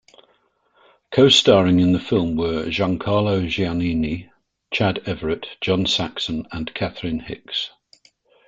Co-starring in the film were Giancarlo Giannini, Chad Everett, John Saxon and Catherine Hicks.